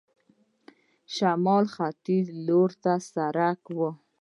شمال ختیځ لور ته سړک و.